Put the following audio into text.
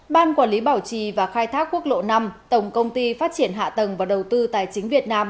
ban quản lý bảo trì và khai thác quốc lộ năm tổng công ty phát triển hạ tầng và đầu tư tài chính việt nam